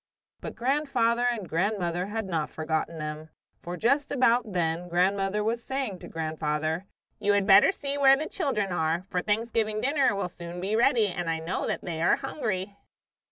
But grandfather and grandmother had not forgotten them, for just about then grandmother was saying to grandfather: "You had better see where the children are, for Thanksgiving dinner will soon be ready and I know that they are hungry."